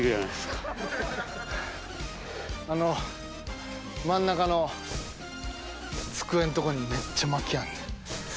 あの真ん中の机んとこにめっちゃ薪あんねん。